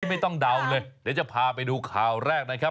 เดี๋ยวจะพาไปดูข่าวแรกนะครับ